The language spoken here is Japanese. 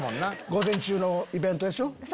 午前中のイベントでしょ。